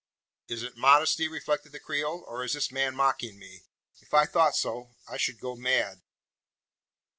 "Is it modesty?" reflected the Creole. "Or is this man mocking me? If I thought so, I should go mad!"